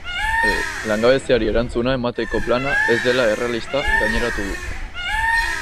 Langabeziari erantzuna emateko plana ez dela errealista gaineratu du.